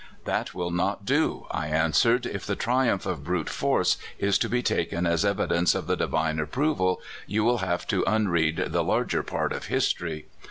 " That will not do," I answered ;" if the triumph of brute force is to be taken as evidence of the I^ivine approval, you will have to unread the larger part of history.